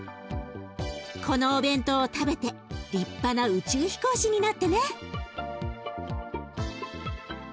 このお弁当を食べて立派な宇宙飛行士になってね。